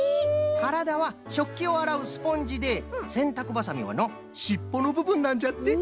からだはしょっきをあらうスポンジでせんたくばさみはのしっぽのぶぶんなんじゃって。